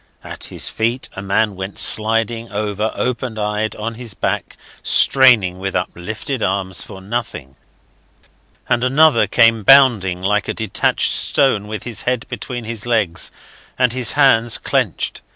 At his feet a man went sliding over, open eyed, on his back, straining with uplifted arms for nothing: and another came bounding like a detached stone with his head between his legs and his hands clenched.